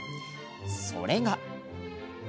それが。